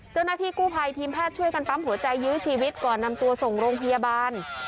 เจ้าหน้าที่กู้ภัยทีมแพทย์ช่วยกันปั๊มหัวใจยื้อชีวิตก่อนนำตัวส่งโรงพยาบาล